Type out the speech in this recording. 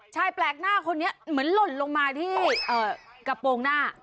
แปลกหน้าคนนี้เหมือนหล่นลงมาที่กระโปรงหน้า